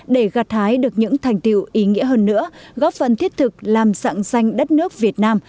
để gạt thái được những thành tiệu ý nghĩa hơn nữa góp phần thiết thực làm sẵn danh đất nước việt nam